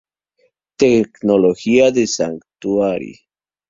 Tecnología de Sanctuary